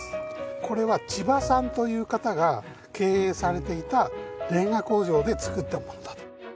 これはチバさんという方が経営されていたレンガ工場で作ったものだと。